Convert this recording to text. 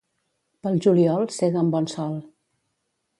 Pel juliol sega amb bon sol.